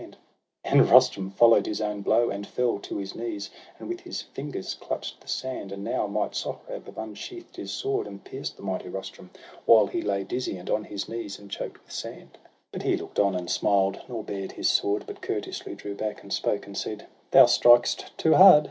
And Rustum follow'd his own blow, and fell To his knees, and with his fingers clutch' d the sand ; And now might Sohrab have unsheathed his sword, And pierced the mighty Rustum while he lay Dizzy, and on his knees, and choked with sand ; But he look'd on, and smiled, nor bared his sword, But courteously drew back, and spoke, and said :—' Thou strik'st too hard